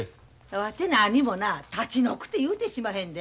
わて何もな立ち退くて言うてしまへんで。